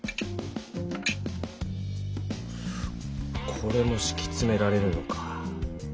これもしきつめられるのか。